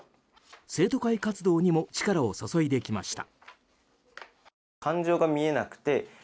生徒会活動にも力を注いできました。